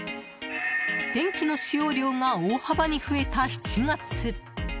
電気の使用量が大幅に増えた７月。